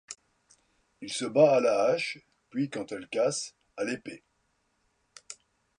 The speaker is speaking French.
Il se bat à la hache, puis quand elle casse, à l'épée.